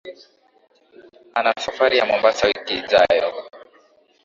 Ana safari ya Mombasa wiki ijayo.